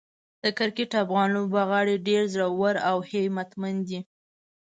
د کرکټ افغان لوبغاړي ډېر زړور او همتمن دي.